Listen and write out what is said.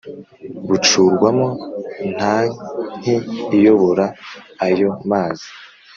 Bucurwamo tanki iyobora ayo mazi